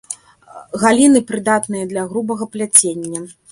Галіны прыдатныя для грубага пляцення.